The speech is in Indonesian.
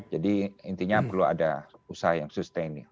jadi intinya perlu ada usaha yang sustain